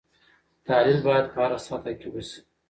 تحلیل باید په هره سطحه کې وسي.